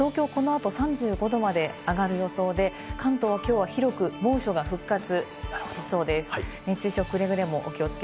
東京はこの後、３５度まで上がる予想で、関東はきょうは広く、猛暑が復活しそうです。